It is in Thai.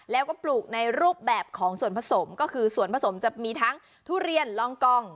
แล้วก็ปลูกในรูปแบบของส่วนผสมก็คือส่วนผสมจะมีทั้งทุเรียนลองกอง